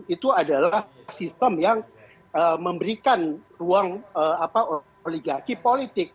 itu adalah sistem yang memberikan ruang oligarki politik